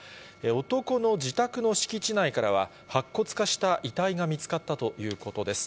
男の自宅の敷地内からは、白骨化した遺体が見つかったということです。